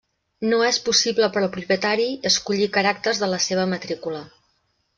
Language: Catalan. No és possible per al propietari escollir caràcters de la seva matrícula.